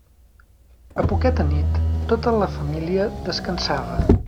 A poqueta nit tota la família descansava.